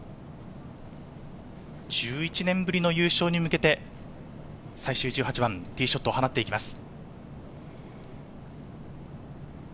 １１年ぶりの優勝に向けて、最終１８番、ティーショットを放っていきます。